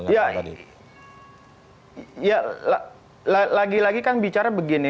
ya lagi lagi kan bicara begini